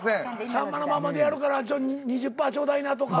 『さんまのまんま』でやるから２０％ちょうだいなとか。